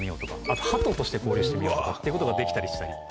あとハトとして交流してみようっていうことができたりしたり。